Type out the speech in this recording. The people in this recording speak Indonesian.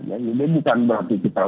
ini bukan berarti kita